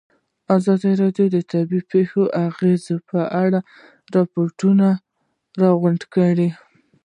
ازادي راډیو د طبیعي پېښې د اغېزو په اړه ریپوټونه راغونډ کړي.